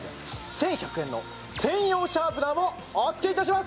１１００円の専用シャープナーもお付けいたします